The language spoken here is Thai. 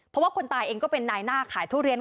เพราะว่าคนตายเองก็เป็นนายหน้าขายทุเรียน